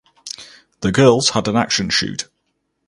The girls had an action shoot.